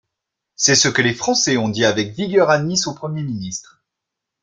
C’est ce que les Français ont dit avec vigueur à Nice au Premier ministre.